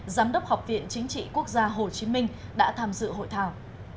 giám đốc học viện chính trị quốc gia hồ chí minh đã tham dự hội thảo